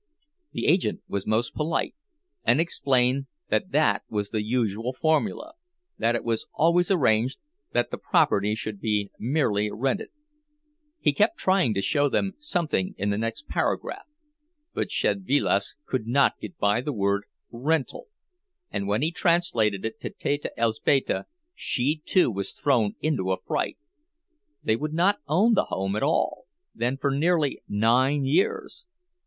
The agent was most polite, and explained that that was the usual formula; that it was always arranged that the property should be merely rented. He kept trying to show them something in the next paragraph; but Szedvilas could not get by the word "rental"—and when he translated it to Teta Elzbieta, she too was thrown into a fright. They would not own the home at all, then, for nearly nine years!